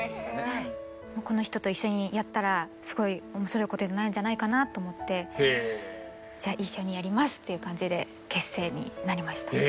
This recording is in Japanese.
この人と一緒にやったらすごい面白いことになるんじゃないかなと思ってじゃあ一緒にやりますっていう感じで結成になりました。